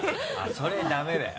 それダメだよ。